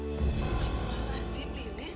udah sholat sih lilis